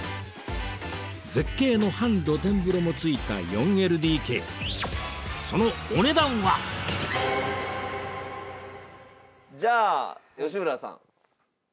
絶景の半露天風呂もついた ４ＬＤＫじゃあ吉村さん。